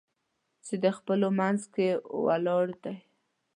چې د خلکو په منځ کې ولاړ دی.